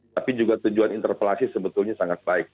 tapi juga tujuan interpelasi sebetulnya sangat baik